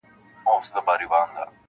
هغه د پېښې حقيقت غواړي ډېر-